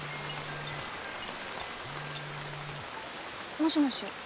もしもし。